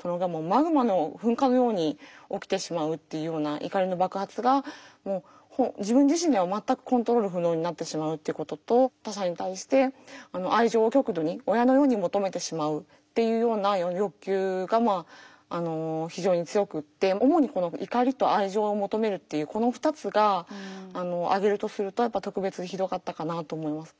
それがもうマグマの噴火のように起きてしまうっていうような怒りの爆発が自分自身では全くコントロール不能になってしまうっていうことと他者に対して愛情を極度に親のように求めてしまうっていうような欲求が非常に強くて主にこの怒りと愛情を求めるっていうこの２つが挙げるとすると特別ひどかったかなと思います。